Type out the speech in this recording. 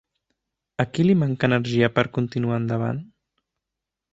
A qui li manca energia per continuar endavant?